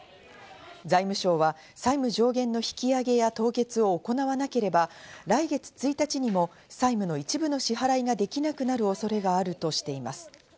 財務省は債務上限の引き上げや凍結を行わなければ、来月１日にも債務の一部の支払いができなくなる恐れがあるとしています。